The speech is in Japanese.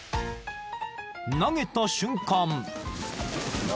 ［投げた瞬間］